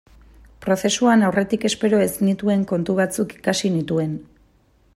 Prozesuan aurretik espero ez nituen kontu batzuk ikasi nituen.